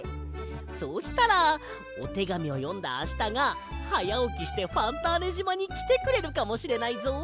そうしたらおてがみをよんだあしたがはやおきしてファンターネじまにきてくれるかもしれないぞ。